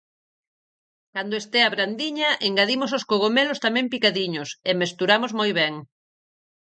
Cando estea brandiña, engadimos os cogomelos tamén picadiños e mesturamos moi ben.